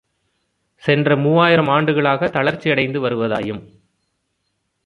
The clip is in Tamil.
சென்ற மூவாயிரம் ஆண்டுகளாகத் தளர்ச்சியடைந்து வருவதாயும்